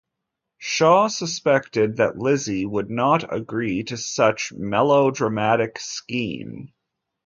Shaw suspected that Lizzie would not agree to such melodramatic scheme.